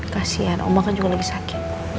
kasian omah kan juga lagi sakit